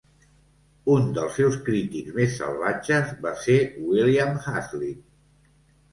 Un dels seus crítics més salvatges va ser William Hazlitt.